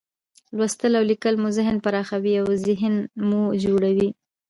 لوستل او لیکل مو ذهن پراخوي، اوذهین مو جوړوي.